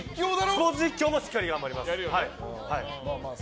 スポーツ実況もしっかり頑張ります！